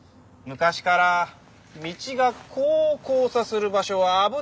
昔から道がこう交差する場所は危ないんです。